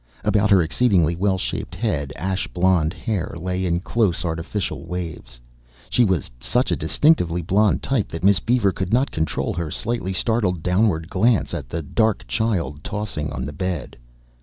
About her exceedingly well shaped head ash blonde hair lay in close artificial waves. She was such a distinctively blonde type that Miss Beaver could not control her slightly startled downward glance at the dark child tossing on the bed.